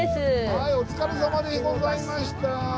はいお疲れさまでございました。